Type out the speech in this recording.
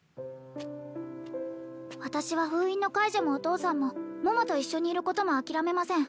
私は封印の解除もお父さんも桃と一緒にいることも諦めません